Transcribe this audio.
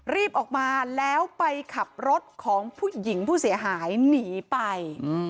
รีบออกมาแล้วไปขับรถของผู้หญิงผู้เสียหายหนีไป